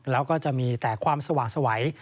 แล้วก็จะมีแต่ความสว่างสวัย